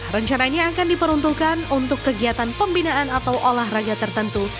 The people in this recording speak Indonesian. rencananya akan diperuntukkan untuk kegiatan pembinaan atau olahraga tertentu